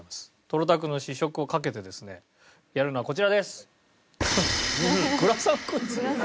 トロタクの試食をかけてですねやるのはこちらです。